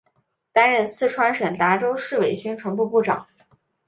担任四川省达州市委宣传部部长。